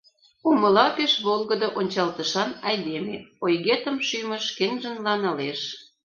Умыла Пеш волгыдо ончалтышан айдеме, Ойгетым шӱмыш шкенжынла налеш.